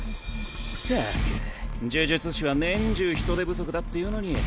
ったく呪術師は年中人手不足だっていうのに。